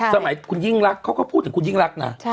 สมัยคุณยิ่งรักเขาก็พูดถึงคุณยิ่งรักนะ